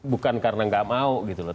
bukan karena nggak mau gitu loh